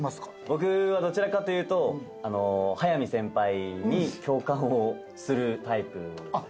僕はどちらかというと速見先輩に共感をするタイプで。